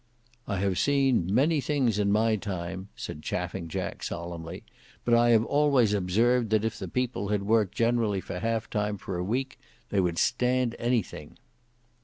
"I have seen a many things in my time," said Chaffing Jack solemnly, "but I have always observed that if the people had worked generally for half time for a week they would stand anything."